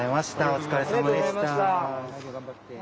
お疲れさまでした。